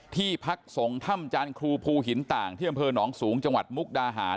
ที่พักสงฆ์ถ้ำจานครูภูหินต่างที่อำเภอหนองสูงจังหวัดมุกดาหาร